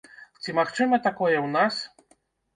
Ці магчыма такое ў нас?